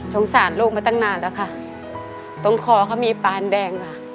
สารลูกมาตั้งนานแล้วค่ะตรงคอเขามีปานแดงค่ะ